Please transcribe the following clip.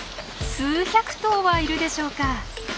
数百頭はいるでしょうか。